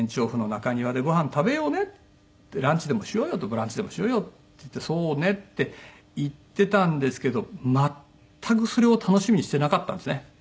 「ランチでもしようよ」と「ブランチでもしようよ」って言って「そうね」って言ってたんですけど全くそれを楽しみにしてなかったんですね。